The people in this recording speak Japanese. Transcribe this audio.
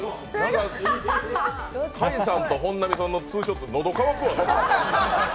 開さんと本並さんのツーショット、喉渇くわ！